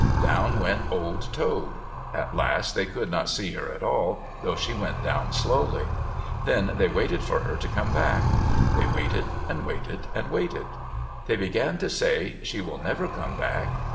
Down went Old Toad. At last they could not see her at all, though she went down slowly. Then they waited for her to come back. They waited, and waited, and waited. They began to say, "She will never come back."